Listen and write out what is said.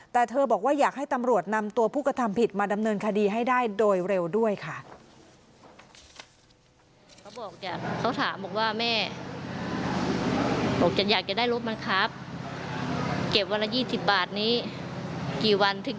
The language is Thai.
แต่เธอบอกว่าอยากให้ตำรวจนำตัวผู้กระทำผิดมาดำเนินคดีให้ได้โดยเร็วด้วยค่ะ